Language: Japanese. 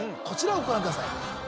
こちらをご覧ください